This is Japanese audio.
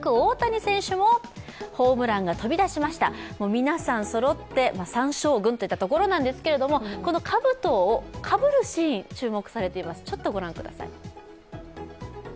皆さんそろって三将軍といったところなんですけどこのかぶとをかぶるシーン、注目されています。